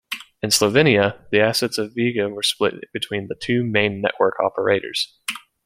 In Slovenia, the assets of Vega were split between the two main network operators.